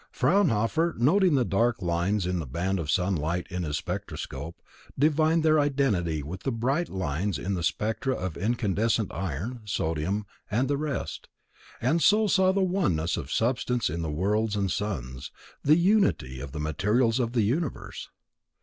Fraunhofer, noting the dark lines in the band of sunlight in his spectroscope, divined their identity with the bright lines in the spectra of incandescent iron, sodium and the rest, and so saw the oneness of substance in the worlds and suns, the unity of the materials of the universe.